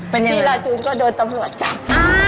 ที่ลายจูนก็โดนตำรวจจับ